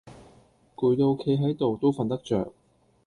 攰到企係到都訓得著